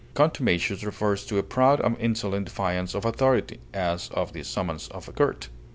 Contumacious refers to a proud and insolent defiance of authority, as of the summons of a court.